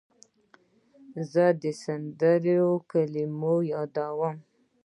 زه د سندرو کلمې یادوم.